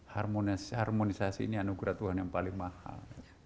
harmonisasi ini anugerah tuhan yang paling mahal